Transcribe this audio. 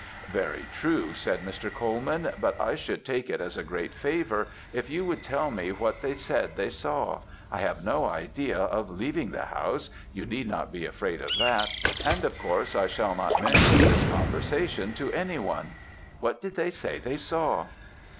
"'Very true,' said Mr. Colman, 'but I should take it as a great favour if you would tell me what they said they saw I have no idea of leaving the house; you need not be afraid of that; and of course I shall not mention this conversation to any one what did they say they saw?'